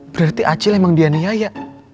berarti acil emang dia niaya